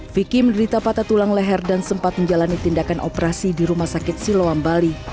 vicky menderita patah tulang leher dan sempat menjalani tindakan operasi di rumah sakit siloam bali